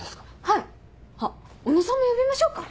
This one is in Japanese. はいあっ小野さんも呼びましょうか。